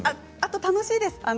あと楽しいです。